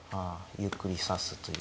ゆっくり指すという。